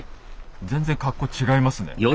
全然格好違いますね。